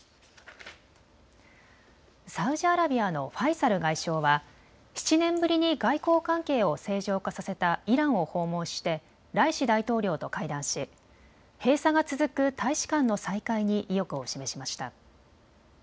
サウジアラビアのファイサル外相は７年ぶりに外交関係を正常化させたイランを訪問してライシ大統領と会談し、閉鎖が続く大使館の再開に意欲を示しました。